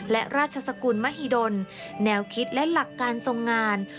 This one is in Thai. และราชสกุลมหิดลแนวคิดและหลักการทรงงาน